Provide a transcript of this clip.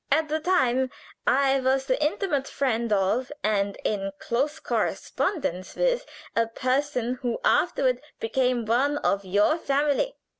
At the time I was the intimate friend of, and in close correspondence with, a person who afterward became one of your family.